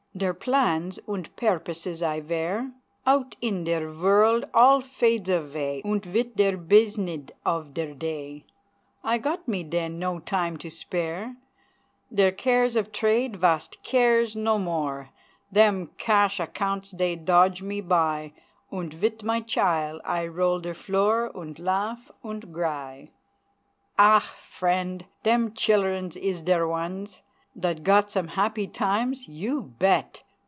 Der plans unt pairposes I vear Out in der vorld all fades avay; Unt vit der beeznid of der day I got me den no time to spare; Der caires of trade vas caires no more Dem cash accounds dey dodge me by, Unt vit my chile I roll der floor, Unt laugh unt gry! Ah! frient! dem childens is der ones Dot got some happy times you bet!